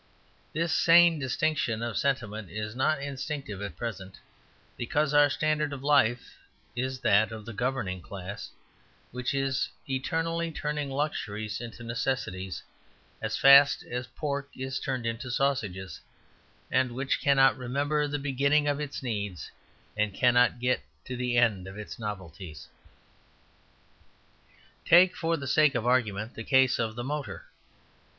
This sane distinction of sentiment is not instinctive at present, because our standard of life is that of the governing class, which is eternally turning luxuries into necessities as fast as pork is turned into sausages; and which cannot remember the beginning of its needs and cannot get to the end of its novelties. Take, for the sake of argument, the case of the motor.